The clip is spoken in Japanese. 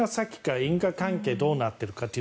因果関係どうなってるかという